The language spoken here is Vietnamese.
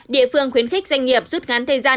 địa phương khuyến khích doanh nghiệp rút ngắn thời gian